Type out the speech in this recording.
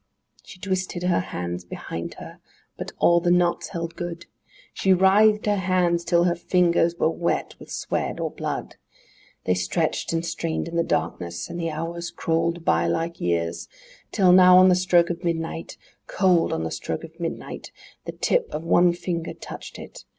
IV She twisted her hands behind her; but all the knots held good! She writhed her hands till her fingers were wet with sweat or blood! They stretched and strained in the darkness, and the hours crawled by like years, Till, now, on the stroke of midnight, Cold, on the stroke of midnight, The tip of one finger touched it!